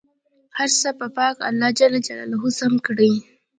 هر څه به پاک الله جل جلاله سم کړي.